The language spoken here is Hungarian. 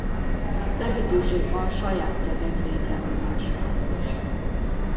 Lehetőség van saját tagek létrehozására is.